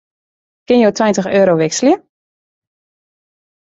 Kinne jo tweintich euro wikselje?